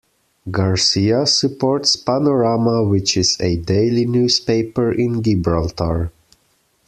Garcia supports Panorama which is a daily newspaper in Gibraltar.